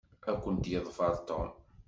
Ad kent-yeḍfer Tom.